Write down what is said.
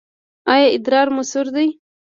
ایا ادرار مو سور دی؟